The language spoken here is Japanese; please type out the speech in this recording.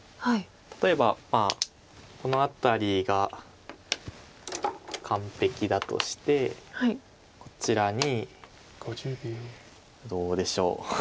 例えばこの辺りが完璧だとしてこちらにどうでしょう。